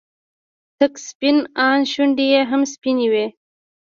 تک سپين ان شونډې يې هم سپينې وې.